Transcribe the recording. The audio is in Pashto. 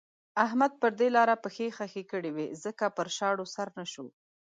احمد پر دې لاره پښې خښې کړې وې ځکه پر شاړو سر نه شو.